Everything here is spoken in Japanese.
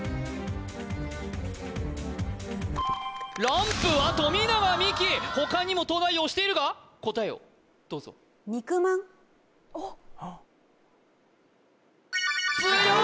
ランプは富永美樹他にも東大王押しているが答えをどうぞ強い！